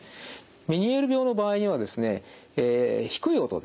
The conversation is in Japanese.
メニエール病の場合にはですね低い音ですね。